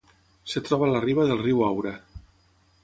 Es troba a la riba del riu Aura.